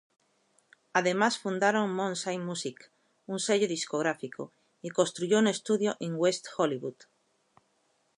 Además fundaron Moonshine Music, un sello discográfico, y construyó un estudio en West Hollywood.